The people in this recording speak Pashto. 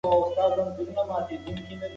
موږ به په راتلونکي کي نور کتابونه ولولو.